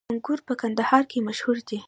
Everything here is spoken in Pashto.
انګور په کندهار کې مشهور دي